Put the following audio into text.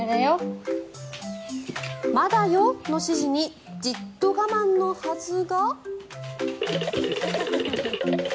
まだよの指示にじっと我慢のはずが。